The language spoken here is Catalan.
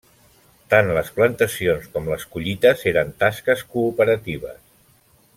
Tant les plantacions com les collites eren tasques cooperatives.